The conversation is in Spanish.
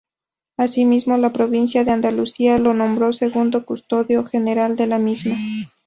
Asimismo la provincia de Andalucía lo nombró segundo custodio general de la misma.